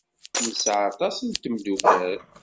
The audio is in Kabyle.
Nesɛa aṭas n tmeddukal.